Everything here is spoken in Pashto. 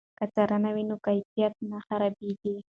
که څارنه وي نو کیفیت نه خرابېږي.